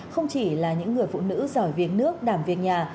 không chỉ là những người phụ nữ giỏi viếng nước đảm viên nhà